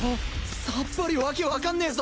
さっぱりわけわかんねえぞ！